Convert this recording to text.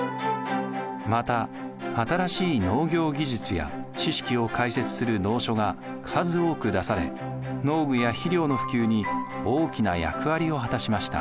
また新しい農業技術や知識を解説する農書が数多く出され農具や肥料の普及に大きな役割を果たしました。